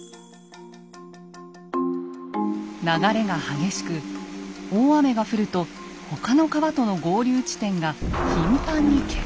流れが激しく大雨が降ると他の川との合流地点が頻繁に決壊。